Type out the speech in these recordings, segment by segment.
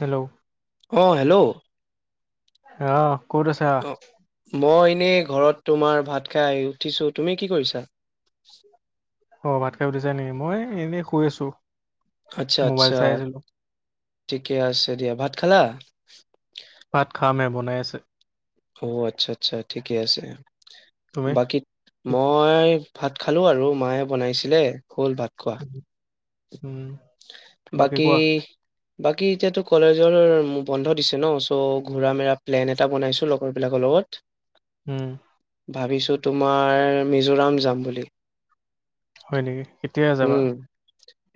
Hello অ hello অ'। অঁ, মই এনেই ঘৰত তোমাৰ ভাত ত খাই উঠিছো। তুমি কি কৰিছা? অঁ, ভাত খাই উঠিচাহে নেকি? মই এই, এনেই শুই আছো। আচ্ছা, মোবাইল আচ্ছা, চাই আছিলো ঠিকে আছে দিয়া। ভাত খালা? [inaudible] ভাত খামহে বনাই আছে। অঁ, আচ্ছা, আচ্ছা, ঠিকে আছে। তুমি বাকী মই ভাত খালোঁ আৰু মায়ে বনাইছিলে। হ'ল ভাত খোৱা। উম, বাকী কোৱা। বাকী এতিয়াতো কলেজৰ বন্ধ দিছে ন, চ' ঘূৰা মেৰা প্লেন এটা বনাইছোঁ লগৰবিলাকৰ লগত। হম। ভাবিছোঁ তোমাৰ মিজোৰাম যাম বুলি। হয়, নেকি। তেতিয়াই যাবা। উম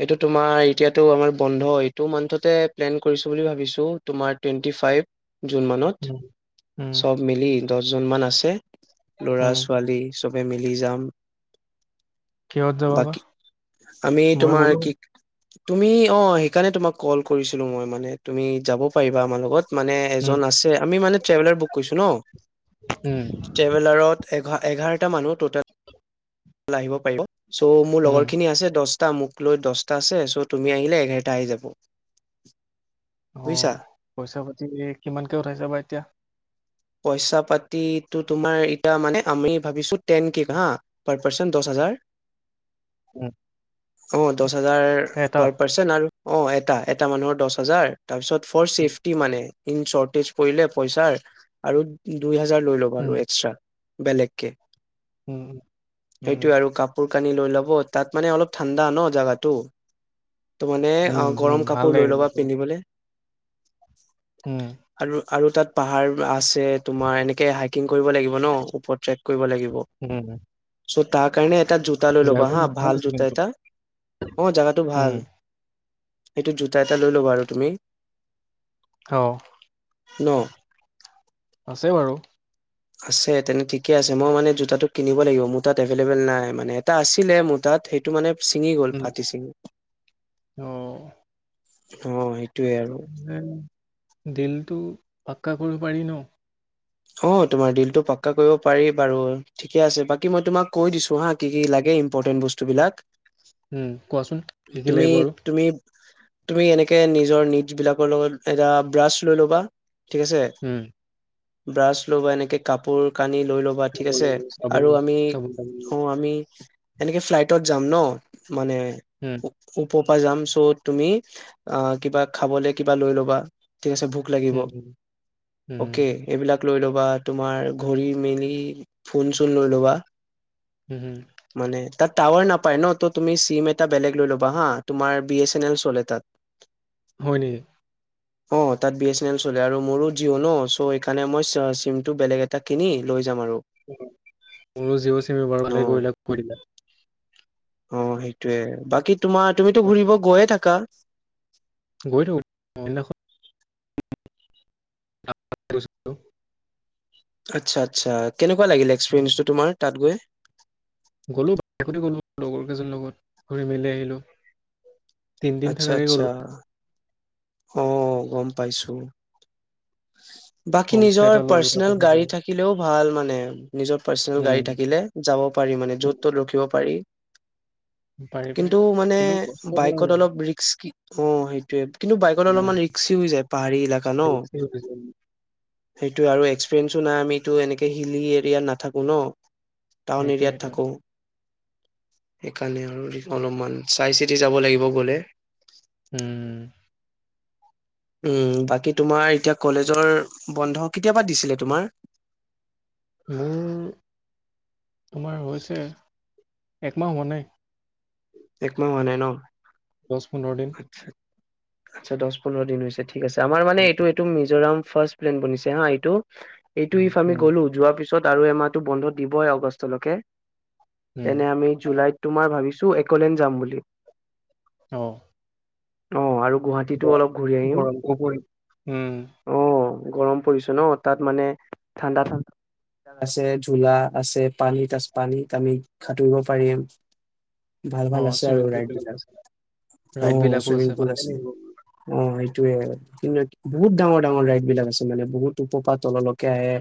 এইটো তোমাৰ এতিয়াতো আমাৰ বন্ধ এইটো মান্থতে প্লেন কৰিছো বুলি ভাবিছো, তোমাৰ টুৱেণ্টি ফাইভ। জুন মানত উম উম চব মিলি। দহজনমান আছে। ল'ৰা উম ছোৱালী চব। মিলি যাম। কিহদ যাব বা। বাকী আমি ময়ো তোমাৰ গ'লো কি। হয় তুমি অ, সেইকাৰণে তোমাক কল কৰিছিলো মই মানে তুমি যাব পাৰিবা আমাৰ লগত। মানে উম এজন আছে, আমি মানে ট্ৰেভেলাৰ বুক কৰিছো ন। উম ট্ৰেভেলাৰত। এঘ-এঘাৰটা মানুহ ট'টেল। আহিব পাৰিব। চ' মোৰ উম লগৰ খিনি আছে, দহ। মোক লৈ দহটা আছে চ' তুমি আহিলে এঘাৰটা আহি যাব। অ, বুজিছা পইচা পাতি কিমানকে উঠাইছোবা এতিয়া। পইচা, পাতি টো তোমাৰ এতিয়া মানে আমি ভাবিছো টেন, কেক হা। পাৰ, পাৰচন দহ হাজাৰ। উম অ, দহ হাজাৰ এটা পাৰ পাৰ্চন আৰু। অ, এটা এটা মানুহৰ দহ হাজাৰ। তাৰপিছত ফৰ উম চেফটি মানে। চৰ্টেজ পৰিলে পইচাৰ আৰু দুই। লৈ লবা উম বেলেগকে। উম উ। সেইটোয়ে আৰু কাপোৰ। কানি লৈ ল'ব তাত মানে অলপ ঠাণ্ডা ন জাগাটো। ত মানে উম অ উম গৰম ভাল কাপোৰ লাগে লৈ কিন্তু ল'বা চাই। পিন্ধিবলৈ। উম। আৰু তাত পাহাৰ আছে যে তোমাৰ এনেকে হাইকিং কৰিব লাগিব ন ওপৰ ট্ৰেক কৰিব লাগিব। উম চ' তাৰ কাৰণে। এটা জোতা লৈ ল'বা জাগৰণ হা ভাল আছে জোতা কিন্তু এটা অ জাগাটো উম ভাল সেইটো জোতা এটা লৈ লবা' আৰু তুমি অ ন আছে বাৰু আছে তেনে ঠিকে আছে মই মানে জোতাটো কিনিব লাগিব মোৰ তাত এভেলেবল নাই মানে এটা আছিলে মোৰ তাত সেইটো মানে চিঙি গ'ল উম ফাটি চিঙি অ সেইটোয়ে আৰু উম দিলটো পাক্কা কৰিব পাৰি ন অ তোমাৰ দিলটো পাক্কা কৰিব পাৰি বাৰু ঠিকে আছে বাকী মই তোমাক কৈ দিছো হা কি কি লাগে ইম্পৰ্টেণ্ট বস্তুবিলাক উম কোৱাচোন কি কি তুমি লাগিব আৰু তুমি তুমি এনেকে নিজৰ নিট বিলাকৰ লগত এটা ব্ৰাছ লৈ ল'বা ঠিক আছে উম, ব্ৰাছ ল'বা এনেকে কাপোৰ কানি লৈ ল'বা ধুব ঠিক আছে লাগিব, চাবোন আৰু আমি চাবোন তাবোন হ আমি এনেকে ফ্লাইটত যাম ন মানে উম, খ খু ত পা যাম চ' তুমি অ কিবা খাবলে কিবা লৈ ল'বা ঠিক আছে ভোক লাগিব উম, উম, উম, অ'কে লৈ ল'বা তুমাৰ ঘৰী মেলি ফোন চোন লৈ ল'বা উম, হুম, মানে তাত টাৱাৰ নাপায় ন ত তুমি চিম এটা বেলেগ লৈ ল'বা হা তোমাৰ বি এ চনেল চলে তাত হয় নেকি অ তাত বি এ চেনেল চলে আৰু মোৰো জিঅ' ন চ' সেইকাৰণে মই চিম টো বেলেগ এটা কিনি লৈ যাম আৰু উম মোৰো জি চিম অ ভালেই কৰিলা কৈ দিলা অ সেইটোয়ে বাকী তোমা তুমিতো ঘুৰিব গৈয়ে থাকা কালচ্ গৈ থাকো অ নখ [unintelligible] আচ্ছা আচ্ছা কেনেকুৱা লাগিলে মানে এক্সপেৰিয়ঞ্চটো তোমাৰ তাত গৈ গলো বতে গলো লগৰ কেইজন লগত ঘুৰি মেলি আহিলো আচ্ছা আচ্ছা অম গম পাইছো বাকী হোমষ্টে এটা নিজৰ ল'লো তাতে পাৰ্চনেল থাকিলো। গাড়ী, থাকিলেও ভাল মানে নিৰ পাৰ্চনে উম, গাড়ী, থাকিলে যাব পাৰি ম য'ত ত'ত ৰখিব পাৰি। পাৰি পাৰি কিন্তু মানে কিন্তু কষ্ট হয় আৰু বাইকত অলপ ৰিকস্স কি অ সেইটোয়ে কিন্তু বাইক উম, অলপমানৰি্সি হৈ যায় পাহাৰী এলেকা ন ৰিস্কি হৈ গৈছে। সেই এইটো আৰু এক্সপিৰিয়েঞ্চো নাই আমিটো এনেকে হিলি এৰিয়াত নাথাকো ন টাউন এৰিয়াত সেইটোৱেইটো। থাকোঁ সেইকাৰণে আৰু অলপমান চাই চিতি যাব লাগিব গলে। উম। উ বাকী তোমাৰ এতিয়া কলেজৰ বন্ধ কেতিয়াবা দিছিলে তোমাৰ মোৰ তোমাৰ হৈছে। একমাহ হোৱা নাই এক ম মানে ন, দহ পোনন্ধৰ দিন আচ্ছা দহ পন্ধৰ দিন হৈ ঠিক আছে আমাৰ মানে এইটো এইটো মিজোৰাম ফাৰ্ষ্ট প্লেন বনিছে হা এইটো এইটো ইফ আমি উম, গ'লো যোৱাৰ পিছত পিছত আৰু এমাহটো বন্ধ দিবই অগষ্টলৈকে উম, তেনে আমি জুলাইত তোমাৰ ভাবিছো চ, এক কলে যাম বুলি অ অ আৰু গুৱাহাটীতো গৰ অলপ ঘূৰি আহিম গৰম গপৰি উম অ গৰম পৰিছো ন তাত মানে ঠাণ্ডা ঠাণ্ডা আছে ঝোলা আছে পানী তচ পানীত আমি সতুৰিব পাৰিম। ভাল ভাল অ', আছে আৰু চুইমিং পুল ৰাইড বিলাক আছে, অ ৰাইড বিলাকো চুইমিং পুল ভালে আছে লাগিব। অ হেইটোবে বহুত ডাঙৰ ডাঙৰ ৰাইড বিলাক আছে মানে বহুত পাত তললৈকে আহে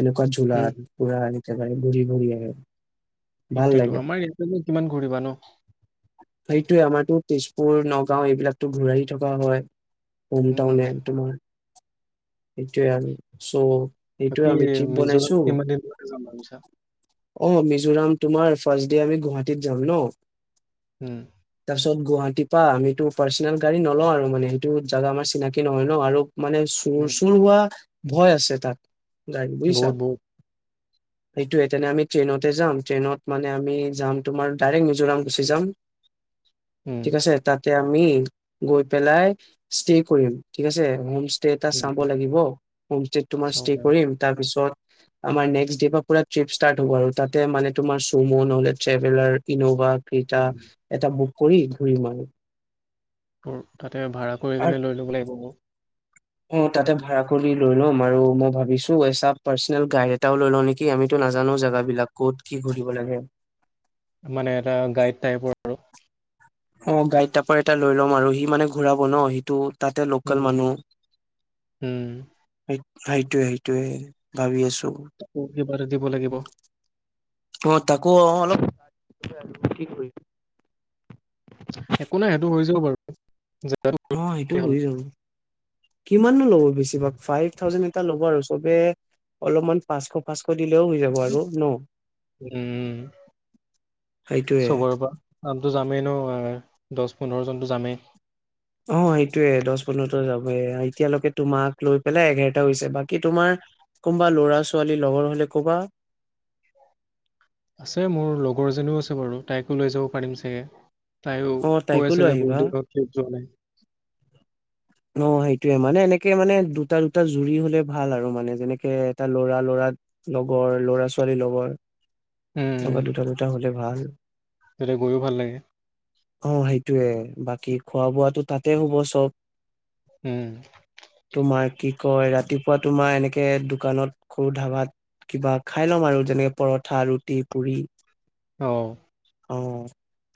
এনেকুৱা উম, ঝলত পুৰা চাই গুৰি গুৰি আহ সেইটোয়ো আমাৰ ইয়াতে কিমান ঘূৰিব সেইটো আমাৰ তো তেজপুৰ নগাঁও, এইবিলাকতো ঘূৰাি থকা হয় উম, হোমটাউনে একদোমাৰ এটোয় আৰু চ' সেইটোয়ে বাকি আমি ট্ৰিপ মিজোৰাম বনাইছো কিন দিনজাম বুলি ভাবি আছা অ মিজোৰাম তোমাৰ ফাৰ্ষ্ট ডে আমি গুৱাহাটীত যাম ন। হু। পিছত গুৱাহাটী পৰা আমিটো পাৰ্চনেল গাড়ী নলও আৰু মানে সেইটো জাগা আমাৰ চিনাকি নহয় ন আৰু মানে চুৰ, উম, চুৰ হোৱা ভয় আছে তাত। গাইড বুজিছা? বহুত বহুত সেইটোয়ে তেনে আমি ট্ৰেইনতে যাম। ট্ৰেইনত মানে আমি যাম তোমাৰ ডাইৰেক্ট মি জৰাম গুচি যাম। উম, ঠিক আছে তাত? এতিয়া আমি গৈ পেলাই ষ্টে কৰিম। ঠিক আছে? হোম ষ্টে এটা উম, চাব লাগিব। হোম ষ্টেট তুমাৰ চাব ষ্টে লাগিব। কৰিম তাৰপিছত আমাৰ নেক্স ডে পৰা ট্ৰিপ ষ্টাৰ্ট হব আৰু তাতে মানে তোমাৰ চম' নহলে ট্ৰেভেলাৰ ইন' এটা উম, এটা বু কৰি ঘূৰিম আৰু। তোৰ তাতে ভাড়া কৰি আৰু কিনে লৈ ল'ব লাগিব মোৰ। অ তাতে ভাড়া কৰি লৈ ল'ম আৰু মই ভাবিছোঁ এ চ পাৰ্চনেল গাইড এটাও লৈ লওঁ নেকি আমিতো নাজানো জেগাবিলাক ক'ত কি ঘূৰিব লাগে। মানে এটা গাইড [unintelligible] অ গাইড টাইপৰ এটা লৈ ল'ম আৰু সি মানে ঘূৰাব ন সিটো তাতে লোকেল উম, উম, মানুহ উম, সেইটোয়ে, সেইটোয়ে ভাবি আছো। তাকো এইবাৰে দিব লাগিব। অ তাকো অ অলপ কৰি একো নাই সেইটো হৈ যাব বাৰু। জেগাটো অ সেইটোও হ'ল হৈ যাব। কিমান মা ল'ব বেছিভাগ ফাইভ থাউজেণ্ড এটা ল'ব আৰু চবে অলপমান পাঁচশ-পাঁচশ দিলেও হৈ যাব আৰু ন? উম সেইটোয়ে চবৰে পৰা আমিটো যামেই ন। দহ পোন্ধৰ জনতো যামেই। অ সেইটোয়ে দহ পোন্ধৰটা যাবয়ে। এতিয়ালৈকে তোমাক লৈ পেলাই এঘাৰটা হৈছে। বাকী তোমাৰ কোনবা লৰা ছোৱালী লগৰ হলে কবা। আছে মোৰ লগৰজনীও আছে বাৰু তাইকো লৈ যাব পাৰিম চাগে। তাইও অ কৈ তাইকো লৈ আছিলে বহুত আহিবা দিন হল কতো যোৱা নাই অ সেইটোয়ে মানে, এনেকে মানে দুটা দুটা জুৰি হলে ভাল আৰু মানে যেনেকে এটা ল'ৰা লৰা লগৰ ল'ৰা ছোৱালীৰ লগৰ উম এনেকুৱা দুটা-দুটা হলে ভাল তেতিয়া গৈও ভাল লাগে অ সেইটোয়ে বাকী খোৱা বোৱাটো তাতে হ'ব চব? উম তোমাৰ কি কয় ৰাতিপুৱা তোমাৰ এনেকে দোকানত সৰু ধাবাত কিবা খাই লম আৰু যেনেকে পৰঠা, ৰুটি, পুৰি অ অ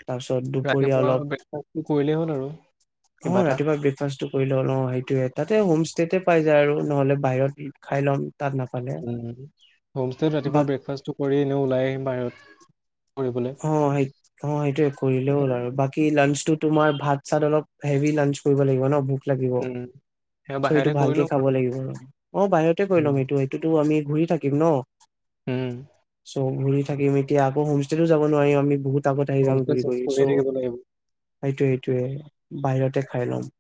তাৰপিছত দুপৰীয়া ৰাতিপুৱা অলপ ব্ৰেকফাষ্টটো কৰিলেই হ'ল আৰু কিবা এটা কৰিলে হল সেইটোয়ে তাতে হোম ষ্টেতে পাই যায় আৰু নহলে বাহিৰত খাই ল'ম তাত নাপালে উম হোমস্তে ৰাতিপুৱা বাক ব্ৰেকফাষ্টটো কৰি এনেও ওলাই আহিম বাহিৰত ফুৰিবলে অ সেই অ সেইটোৱে কৰিলে হ'ল তেতিয়া আৰু বাকী লাঞ্চটোত তোমাৰ ভাত চাত অলপ হেভি লাঞ্চ কৰিব লাগিব ন লাগিব উম সেয়া বাহিৰতে কৰি ভালকে লম চৌ খাব আৰু লাগিব ন অ বাহিৰতে কৰি উম লম সটো সেইতোটো আমি ঘূৰি থাকিম ন উম, চ' ঘূৰি থাকিম এতিয়া আকৌ হোষ্টে এইটো যাব নোৱাৰি আমি বহুত আগত আহি যাম হোমষ্টে ঘূৰি চেঞ্জ ঘূৰি চ' কৰিয়ে থাকিব লাগিব সেইটো সেইটোৱে বাহিৰতে খাই ল'ম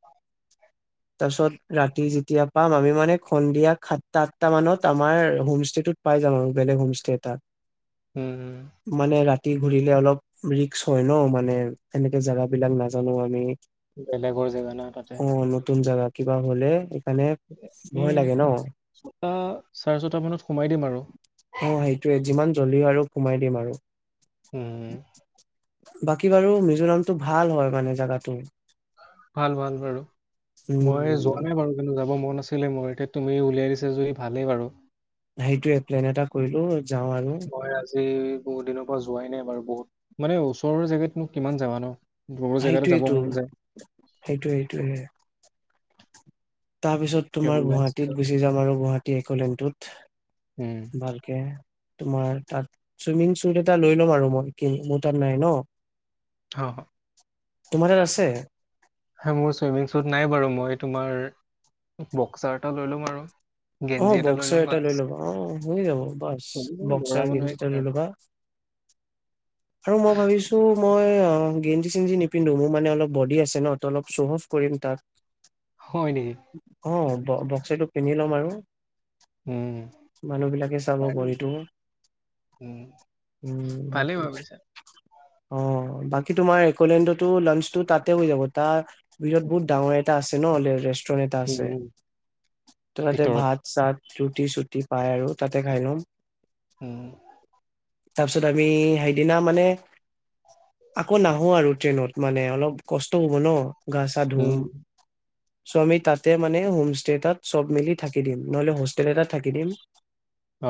তাৰপিছত ৰাতি যেতিয়া পাম আমি মানে সন্ধিয়া সাতটা আঠটা মানত আমাৰ হোমষ্টেটোত পাই যাম আৰু বেলেগ হোমষ্টে এটা উম উম মানে ৰাতি ঘূৰিলে অলপ ৰিক্স হয় ন মানে এনেকে জেগা বিলাক নাজানো আমি বেলেগৰ জেগা না তাতে। অ নতুন জেগা কিবা হলে মানে ভয় উম লাগে ন ছটা চাৰে ছটা মানত সোমাই দিম আৰু অ সেইটোয়ে যিমান জলিও আৰু সোমাই দিম আৰু উম, [inaudible] বাকী বাৰু মিজোৰামটো ভাল হয় মানে জাগাটো ভাল ভাল বাৰু মই উম যোৱা নাই বাৰু কিন্তু যাব মন নাছিলে মোৰ এতিয়া তুমি উলিয়াই দিছা যদি ভালেই বাৰু সেইটোয়ে প্লেন এটা কৰিলো যাওঁ আৰু মই আজি বহুত দিনৰ পৰা যোৱাই নাই বাৰু বহুত মানে ওচৰৰ জোগাতনোক কিমান যাবা নো সেইটোৱেতটো সেইটোয়ে সেইটোয়ে তাৰ পিছত এতিয়া তোমাৰ ওলাইছে গুৱাহাটীত গুচি যাম আৰু গুৱাহাটী উম একলেনটোত ভালকে তোমাৰ তাত চুইমিং চুট এটা লৈ ল'ম আৰু মই কি মোৰ তাত নাই ন হাহু তোমাৰ তাত আছে হয় মোৰ চুইমিং শ্বুত নাই বাৰু মই তোমাৰ বক্সাৰ এটা লৈ ল'ম আৰু অ গেঞ্জি বক্সাৰ ল'ম এটা বাছ লৈ ল'বা অ হৈ যাব বাছ চলিব ল'ৰা বক্সাৰ গেম মানুহে এটা কি লৈ আৰু ল'বা আৰু মই ভাবিছো মই অ গেঞ্জি চেঞজি নিপিন্ধো মোৰ মানে অলপ বডি আছে তো অলপ চ' অফ কৰিম তাক হয় নেকি অ'! ব বক্সিটো কিনি ল'ম আৰু উম মানুহ বিলাকে চাব পাৰি বহীতো! উম উম ভালেই সেইটো! ভাবিছা অ বাকী তোমাৰ একলেণ্ডতো লাঞ্চতো তাতে হৈ যাব! তাৰ ভিৰত বহুত ডাঙৰ এটা আছে ন নিউ ৰেষ্টুৰেন্ এটা আছে। উম ত ততে ভিতৰত ভাত তাত ৰুটি-চুটি পাই আৰু তাতে খাই লম। হম। তাৰপিছত আমি সেইদিনা মানে আকৌ নাহো আৰু ট্ৰেইনত মানে অলপ কষ্ট হ'ব ন! গা চা ধুম। উম চ' আমি তাতে মানে, হোমষ্টে এটাত চবে মিলি থাকি দিম। নহলে হোষ্টেল এটা থাকি দিম।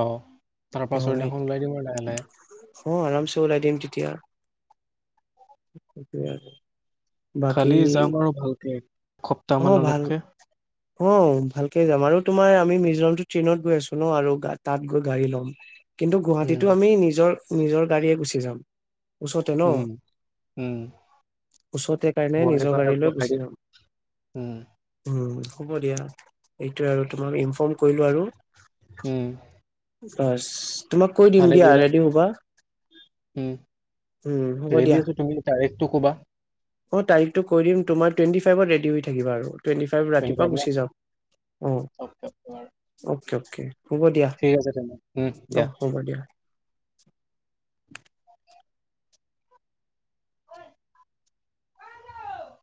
অ' তাৰ অ সেই পাচৰদিনাখন ওলাই দিম আৰু লাহে লাহে। অ আৰামছে ওলাই দিম তেতিয়া বাকী খালী-যাম আৰু ভালকে! অ ভাল খপ্তামান'লোকে! অ' ভালকে যাম! আৰু তোমাৰ আমি মিজোৰামটো ট্ৰেইনত গৈ আছো ন আৰু তাত গৈ গাড়ী ল'ম। কিন্তু উম গুৱাহাটীতো আমি নিজৰ! নিজৰ গাড়ীয়ে গুচি যাম! ওচৰতে ন! উম উম ওচৰতে কাৰণে নিজৰ গাড়ী লৈ গুচি যাম। হম। উ হ'ব দিয়া। এইটোয়ে আৰু, তোমাক ইনফৰ্ম কৰিলো আৰু। উম। ফ্ৰাছ্ তোমাক কৈ দিম ভালে দিয়া, কৰিলা ৰেডি হ'বা। উম। উম হ'ব দিয়া ৰেডি আছো। তুমি ডাইৰেক্ত - - ত' ক'বা! অ' তাৰিখটো কৈ দিম। তোমাৰ টুৱেণ্টি ফাইভত ৰেডি হৈ থাকিবা আৰু। টুৱেণ্টি ফাইভ টুৱেন্টি ৰাতিপুৱা ন গুচি যাওক। অ'কে অ'কে বাৰু অ'- অ। Okay okay. হ'ব দিয়া। ঠিক আছে তেনে উম দিয়া অ হ'ব দিয়া। [unintelligible]